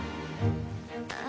ああ